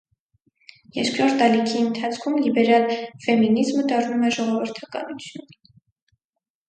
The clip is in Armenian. Երկրորդ ալիքի ընթացքում լիբերալ ֆեմինիզմը դառնում է ժողովրդականություն։